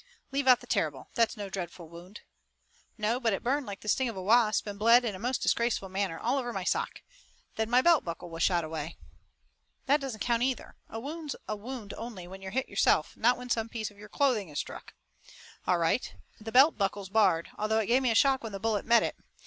"Leave out the 'terrible.' That's no dreadful wound." "No, but it burned like the sting of a wasp and bled in a most disgraceful manner all over my sock. Then my belt buckle was shot away." "That doesn't count either. A wound's a wound only when you're hit yourself, not when some piece of your clothing is struck." "All right. The belt buckle's barred, although it gave me a shock when the bullet met it.